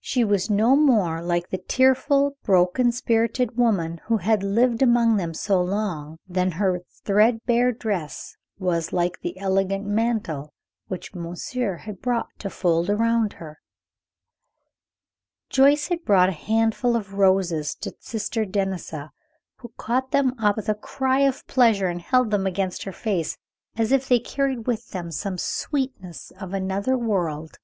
She was no more like the tearful, broken spirited woman who had lived among them so long, than her threadbare dress was like the elegant mantle which monsieur had brought to fold around her. Joyce had brought a handful of roses to Sister Denisa, who caught them up with a cry of pleasure, and held them against her face as if they carried with them some sweetness of another world.